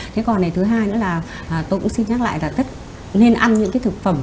thế còn thứ hai nữa là tôi cũng xin nhắc lại là tất nên ăn những cái thực phẩm